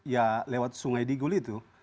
ya lewat sungai digul itu